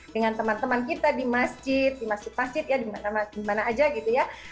dengan teman teman kita di masjid di masjid masjid ya dimana aja gitu ya